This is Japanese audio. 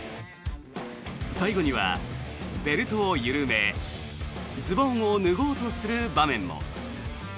最後にはベルトを緩めズボンを脱ごうとする場面も。